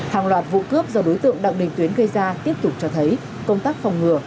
hàng loạt vụ cướp do đối tượng đặng đình tuyến gây ra tiếp tục cho thấy công tác phòng ngừa